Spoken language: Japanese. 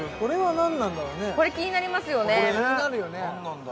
何なんだろう？